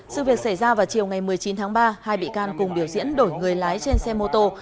sự việc xảy ra vào chiều ngày một mươi chín tháng ba hai bị can cùng biểu diễn đổi người lái trên xe mô tô